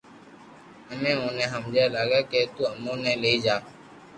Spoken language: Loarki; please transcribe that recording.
امي اوني ھمجا لاگيا ڪي تو امو ني لئي جا